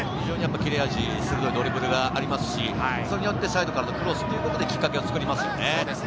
切れ味鋭いドリブルありますし、それによってサイドからのクロスもきっかけを作りますよね。